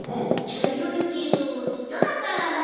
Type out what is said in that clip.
ちゃいろいけどいとだからな。